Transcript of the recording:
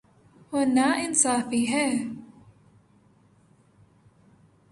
وہ نا انصافی ہے